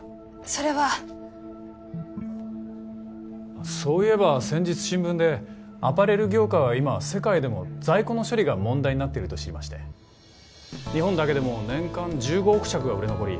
それはそういえば先日新聞でアパレル業界は今世界でも在庫の処理が問題になってると知りまして日本だけでも年間１５億着が売れ残り